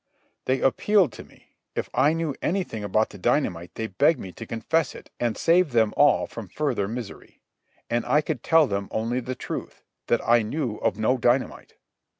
They appealed to me. If I knew anything about the dynamite they begged me to confess it and save them all from further misery. And I could tell them only the truth, that I knew of no dynamite.